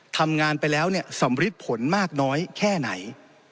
ทำงานไปแล้วเนี่ยสำริดผลมากน้อยแค่ไหน